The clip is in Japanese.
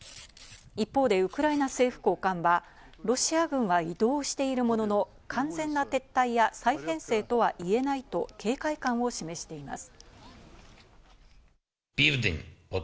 一方でウクライナ政府高官は、ロシア軍は移動しているものの、完全な撤退や再編成とは言えないと警戒感を示しています。